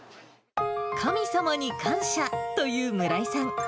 神様に感謝という村井さん。